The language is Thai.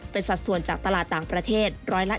เป็นสัดส่วนจากตลาดต่างประเทศ๑๔